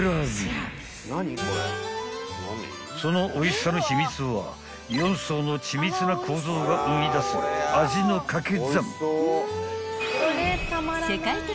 ［そのおいしさの秘密は４層の緻密な構造が生み出す味の掛け算］